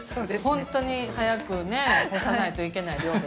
本当に早くねえ干さないといけない量でしたね。